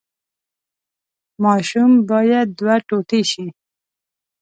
ماشوم باید دوه ټوټې شي.